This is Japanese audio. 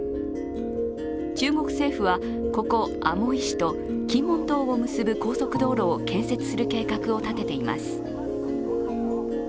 中国政府はここ厦門市と金門島を結ぶ高速道路を建設する計画を立てています。